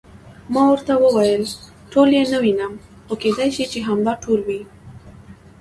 ما ورته وویل: ټول یې نه وینم، خو کېدای شي چې همدا ټول وي.